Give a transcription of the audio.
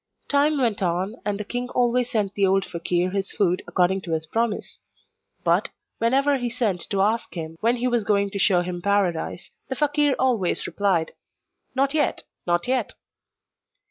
Time went on, and the king always sent the old fakeer his food according to his promise; but, whenever he sent to ask him when he was going to show him Paradise, the fakeer always replied: 'Not yet, not yet!